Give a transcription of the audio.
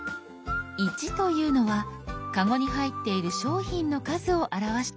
「１」というのはカゴに入っている商品の数を表しています。